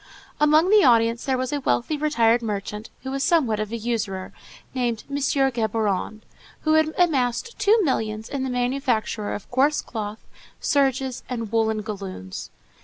Among the audience there was a wealthy retired merchant, who was somewhat of a usurer, named M. Géborand, who had amassed two millions in the manufacture of coarse cloth, serges, and woollen galloons.